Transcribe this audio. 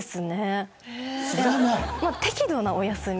まぁ適度なお休み。